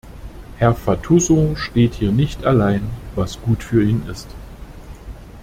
Herr Fatuzzo steht hier nicht allein, was gut für ihn ist.